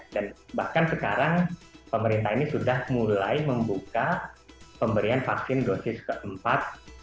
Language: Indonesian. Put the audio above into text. dan bahkan sekarang pemerintah ini sudah mulai membuka pemberian vaksin dosis keempat